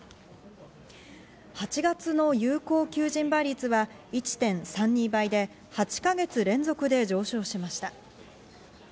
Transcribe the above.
８月の有効求人倍率は１．３２倍で、８か月連続で上昇しました。